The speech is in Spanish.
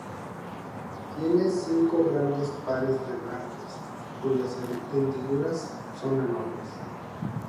Tiene cinco grandes pares de branquias, cuyas hendiduras son enormes.